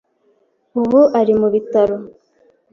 Ubu ari mu bitaro.